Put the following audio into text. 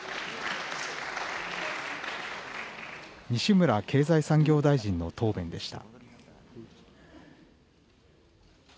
西村経済産業大臣の答弁でした。